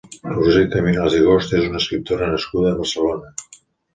Roser Caminals i Gost és una escriptora nascuda a Barcelona.